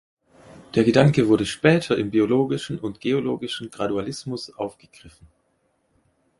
Der Gedanke wurde später im biologischen und geologischen Gradualismus aufgegriffen.